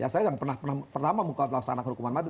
saya yang pertama pelaksanakan hukuman mati